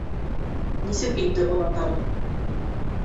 — Нисек инде оҙатығыҙ?!